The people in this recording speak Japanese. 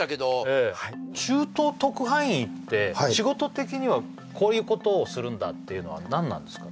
中東特派員って仕事的にはこういうことをするんだっていうのは何なんですか？